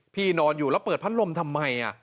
พี่นอนอยู่แล้วเปิดพัดลมทำไม